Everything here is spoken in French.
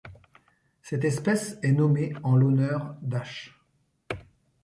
Cette espèce est nommée en l'honneur d'H.